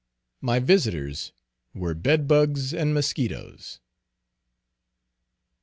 My visitors were bed bugs and musquitoes.